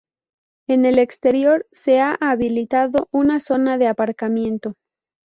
En el exterior se ha habilitado una zona de aparcamiento.